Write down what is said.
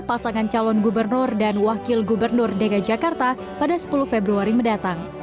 pasangan calon gubernur dan wakil gubernur dki jakarta pada sepuluh februari mendatang